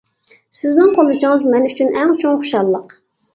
سىزنىڭ قوللىشىڭىز مەن ئۈچۈن. ئەڭ چوڭ خۇشاللىق.